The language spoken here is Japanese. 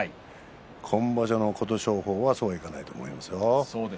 今場所の琴勝峰はそうはいかないですよ。